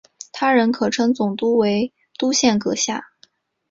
他人可称总督为督宪阁下。